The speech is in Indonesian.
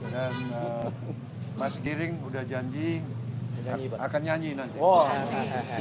dan mas giring sudah janji akan nyanyi nanti